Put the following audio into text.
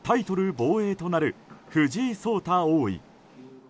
防衛となる藤井聡太王位。